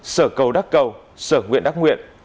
sở cầu đắc cầu sở nguyện đắc nguyện